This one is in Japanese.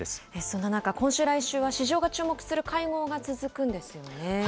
そんな中、今週、来週は市場が注目する会合が続くんですよね。